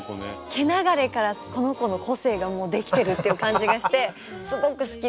毛流れからこの子の個性がもうできてるっていう感じがしてすごく好きです。